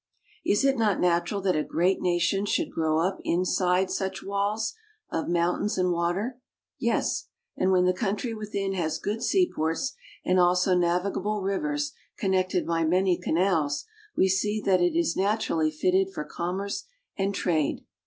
Is it not natural that a great nation should grow up inside such walls of mountains and water? Yes; and when the country within has good seaports, and also navi gable rivers connected by many canals, we see that it is naturally fitted for commerce and trade.